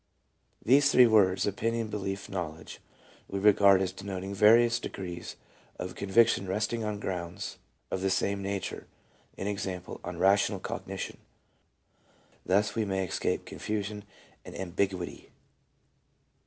These three words — opinion, belief, knowledge — we regard as denoting various degrees of conviction resting on grounds of the same nature, i. e., on rational cognition. Thus we may escape confusion and ambiguity.